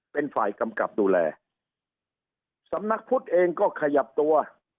เป็นฝ่ายกำกับดูแลสำนักพุทธเองก็ขยับตัว